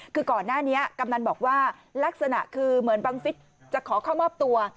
คือก่อนหน้านี้กำนันบอกว่าลักษณะคือเหมือนบังฟิศจะขอเข้ามอบตัว